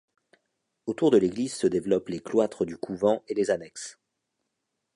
Autour de l'église se développent les cloîtres du couvent et les annexes.